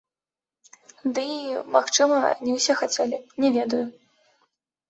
Ды і, магчыма, не ўсе хацелі, не ведаю.